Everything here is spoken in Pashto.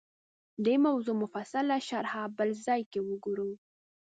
دې موضوع مفصله شرحه بل ځای کې وګورو